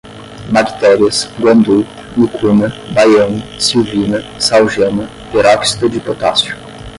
bactérias, guandu, mucuna, baiano, silvina, sal gema, peróxido de potássio